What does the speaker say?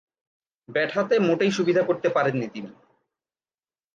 Bat হাতে মোটেই সুবিধে করতে পারেননি তিনি।